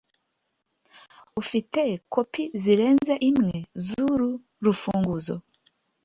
Ufite kopi zirenze imwe zuru rufunguzo